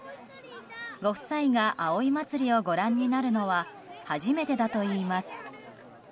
ご夫妻が葵祭をご覧になるのは初めてだといいます。